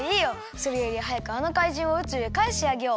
それよりはやくあのかいじんを宇宙へかえしてあげよう！